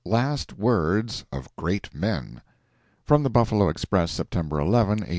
LAST WORDS OF GREAT MEN [From the Buffalo Express, September 11, 1889.